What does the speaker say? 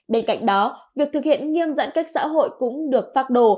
bên cạnh đó việc thực hiện nghiêng giãn cách xã hội cũng được phác đồ